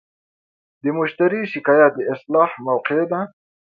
د مشتری شکایت د اصلاح موقعه ده.